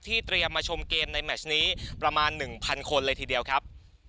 เตรียมมาชมเกมในแมชนี้ประมาณ๑๐๐คนเลยทีเดียวครับ